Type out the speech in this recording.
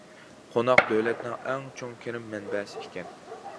قوناق دۆلەتنىڭ ئەڭ چوڭ كىرىم مەنبەسى ئىكەن!